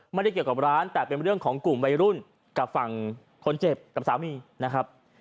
ไม่ได้เกี่ยวกับร้านแต่เป็นเรื่องของกลุ่มวัยรุ่นกับฝั่งคนเจ็บกับสามีนะครับ